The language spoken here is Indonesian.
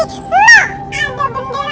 ini rumahnya mbak be papi